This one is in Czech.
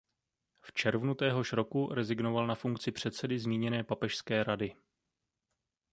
V červnu téhož roku rezignoval na funkci předsedy zmíněné papežské rady.